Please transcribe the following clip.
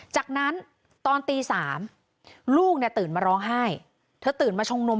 จากนั้นตอนตี๓ลูกเนี่ยตื่นมาร้องไห้เธอตื่นมาชงนม